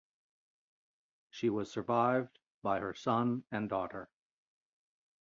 She was survived by her son and daughter.